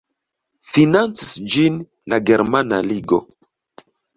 Financis ĝin la Germana Ligo.